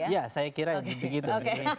ya saya kira begitu